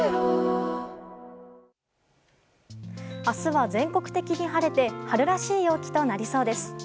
明日は全国的に晴れて春らしい陽気となりそうです。